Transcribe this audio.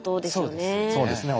そうですね。